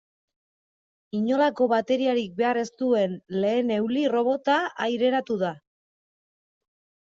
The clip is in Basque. Inolako bateriarik behar ez duen lehen eulirrobota aireratu da.